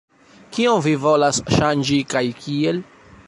Kion vi volas ŝanĝi kaj kiel?